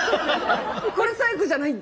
これ最後じゃない？